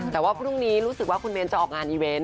แต่ว่าพรุ่งนี้รู้สึกว่าคุณเบ้นจะออกงานอีเวนต์